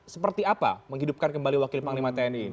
seperti apa menghidupkan kembali wakil panglima tni ini